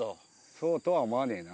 そうとは思わねえな。